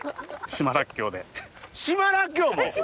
島らっきょう。